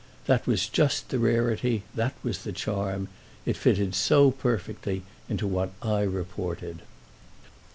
That was just the rarity, that was the charm: it fitted so perfectly into what I reported.